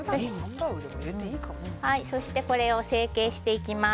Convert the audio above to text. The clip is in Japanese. そしてこれを成形していきます。